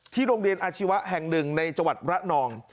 โรงเรียนอาชีวะแห่งหนึ่งในจังหวัดระนอง